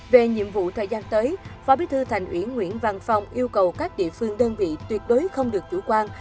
về nhiệm vụ thời gian tới phó bí thư thành ủy nguyễn văn phong yêu cầu các địa phương đơn vị tuyệt đối không được chủ quan